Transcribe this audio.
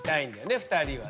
２人はね。